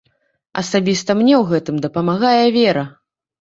Асабіста мне ў гэтым дапамагае вера.